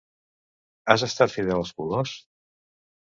Has estat fidel als colors?